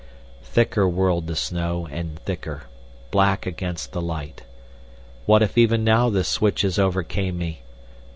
Thicker whirled the snow and thicker, black against the light. What if even now the switches overcame me?